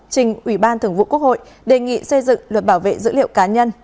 trình ủy ban thường vụ quốc hội đề nghị xây dựng luật bảo vệ dữ liệu cá nhân